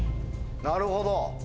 なるほど。